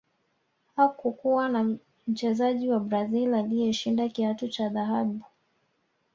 hakukuwa na mchezaji wa brazil aliyeshinda kiatu cha dhahabu